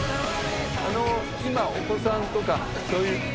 今お子さんとかそういう。